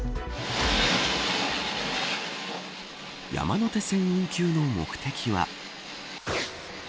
山手線運休の目的は。